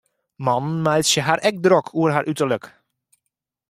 Mannen meitsje har ek drok oer har uterlik.